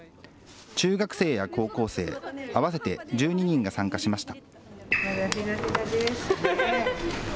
中学生や高校生、合わせて１２人が参加しました。